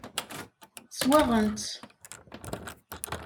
Swaɣen-tt.